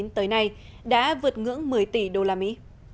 tới nay đã vượt ngưỡng một mươi tỷ đô la mỹ